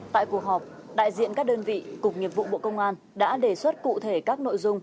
tại cuộc họp đại diện các đơn vị cục nghiệp vụ bộ công an đã đề xuất cụ thể các nội dung